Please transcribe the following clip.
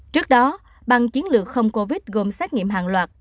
trước đó bằng chiến lược không covid gồm xét nghiệm hàng loạt